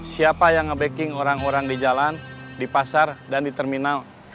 siapa yang nge backing orang orang di jalan di pasar dan di terminal